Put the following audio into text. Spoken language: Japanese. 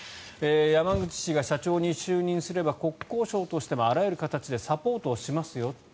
山口氏が社長に就任すれば国交省としてもあらゆる形でサポートをしますよ。